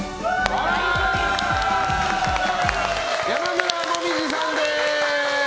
山村紅葉さんです！